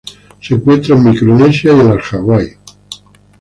Se encuentra en Micronesia y en las Hawaii.